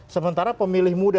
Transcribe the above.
sementara pemilih muda